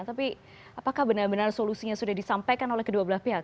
tapi apakah benar benar solusinya sudah disampaikan oleh kedua belah pihak